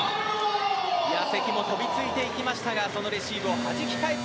関も飛びついていきましたがそのレシーブをはじき返す